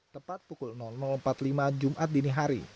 tepat pukul empat puluh lima jumat dinihari